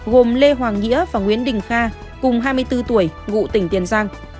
gồm lê hoàng nghĩa và nguyễn đình kha cùng hai mươi bốn tuổi ngụ tỉnh tiền giang